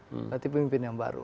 berarti pemimpin yang baru